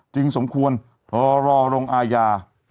สมควรรอลงอาญา